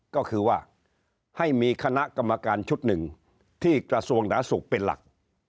ก็คือว่าให้มีคณะกรรมการชุดหนึ่งที่กระทรวงหนาสุขเป็นหลัก